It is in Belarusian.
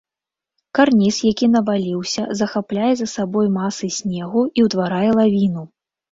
Карніз, які наваліўся, захапляе за сабой масы снегу і ўтварае лавіну.